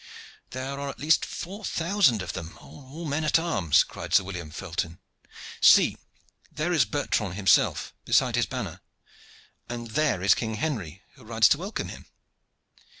"There are at the least four thousand of them, and all men at arms," cried Sir William Felton. "See, there is Bertrand himself, beside his banner, and there is King Henry, who rides to welcome him.